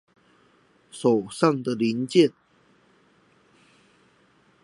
手上的零件